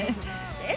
えっ？